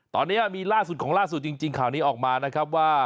ตอนนี้มีล่าสุดของล่าสุดจริงข่าวนี้ออกมานะครับว่า